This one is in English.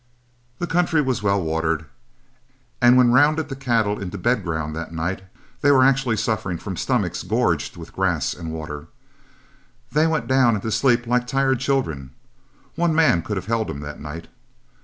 The country was well watered, and when rounded the cattle into the bed ground that night, they were actually suffering from stomachs gorged with grass and water. They went down and to sleep like tired children; one man could have held them that night.